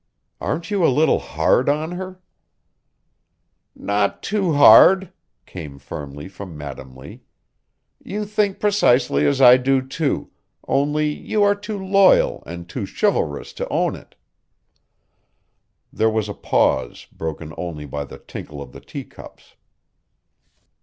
"Aren't you a little hard on her?" "Not too hard," came firmly from Madam Lee. "You think precisely as I do, too, only you are too loyal and too chivalrous to own it." There was a pause broken only by the tinkle of the teacups.